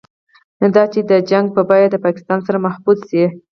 نه دا چې د جګړو په بيه د پاکستان سر محفوظ شي.